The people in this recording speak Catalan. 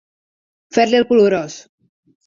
Fer-li el cul gros.